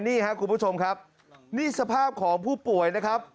นี่ครับคุณผู้ชมครับนี่สภาพของผู้ป่วยนะครับ